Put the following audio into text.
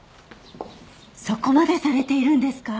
そこまでされているんですか。